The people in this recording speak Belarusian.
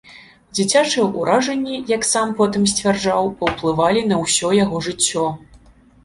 Дзіцячыя ўражанні, як сам потым сцвярджаў, паўплывалі на ўсё яго жыццё.